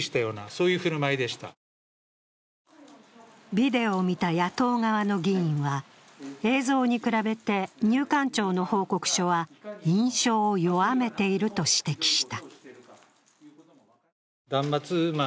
ビデオを見た野党側の議員は映像に比べて入管長の報告書は印象を弱めていると指摘した。